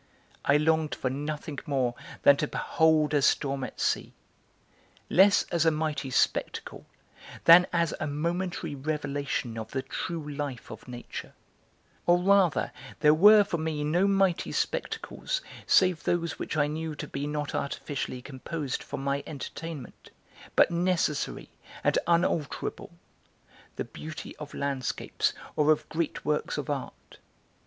I longed for nothing more than to behold a storm at sea, less as a mighty spectacle than as a momentary revelation of the true life of nature; or rather there were for me no mighty spectacles save those which I knew to be not artificially composed for my entertainment, but necessary and unalterable, the beauty of landscapes or of great works of art.